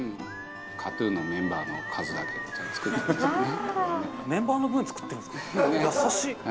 ＫＡＴ‐ＴＵＮのメンバーの数だけ作ってるんですよね。